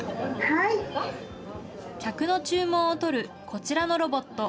客の注文を取るこちらのロボット。